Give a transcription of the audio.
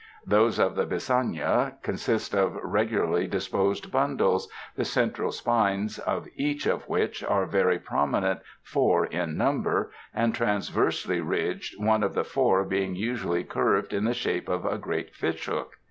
Those of the bisnaga consist of regularly disposed bundles, the central spines of each of which are very ])rominent, four in number and transversely ridged, one of the four being usually curved in the shape of a great fishhook.